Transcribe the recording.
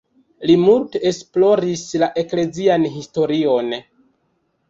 Li multe esploris la eklezian historion.